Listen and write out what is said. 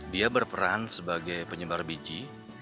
dia berperan sebagai penyebar biji